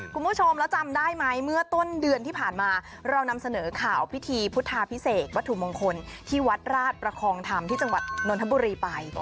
คุณผู้ชมแล้วจำได้ไหมเมื่อต้นเดือนที่ผ่านมาเรานำเสนอข่าวพิธีพุทธาพิเศษวัตถุมงคลที่วัดราชประคองธรรมที่จังหวัดนนทบุรีไป